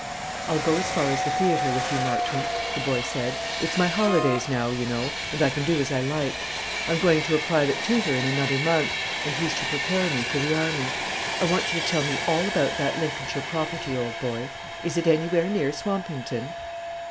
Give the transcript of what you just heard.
"I'll go as far as the theatre with you, Marchmont," the boy said; "it's my holidays now, you know, and I can do as I like. I am going to a private tutor in another month, and he's to prepare me for the army. I want you to tell me all about that Lincolnshire property, old boy. Is it anywhere near Swampington?"